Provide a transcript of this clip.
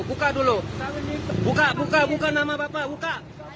buka dulu buka buka nama bapak buka